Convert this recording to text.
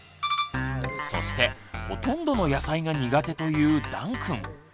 そしてほとんどの野菜が苦手というだんくん。